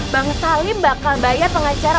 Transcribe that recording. bang salim bakal bayar pengacara